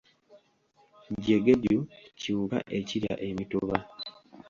Jjegeju kiwuka ekirya emituba.